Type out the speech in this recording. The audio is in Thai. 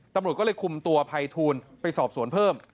ตำรวจก็เลยคุมตัวภัยทูลไปสอบสวนเพิ่ม